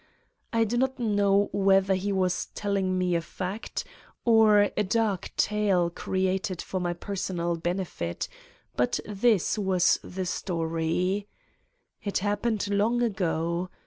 I do not know whether he was telling me a fact or a dark tale created for my personal benefit, but this was the story: It happened long ago.